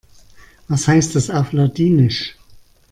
Was heißt das auf Ladinisch?